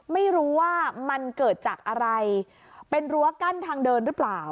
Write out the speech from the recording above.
ไม่รู้ว่ามันเกิดจากอะไรเป็นรั้วกั้นทางเดินหรือเปล่า